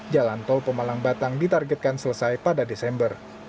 jalan tol pemalang batang ditargetkan selesai pada desember